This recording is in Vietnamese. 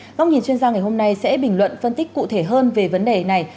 góc nhìn chuyên gia ngày hôm nay sẽ bình luận phân tích cụ thể hơn về vấn đề này